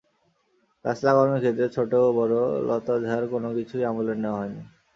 গাছ লাগানোর ক্ষেত্রে ছোট-বড় লতা ঝাড় কোনো কিছুই আমলে নেওয়া হয়নি।